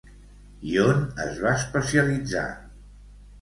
I on es va especialitzar?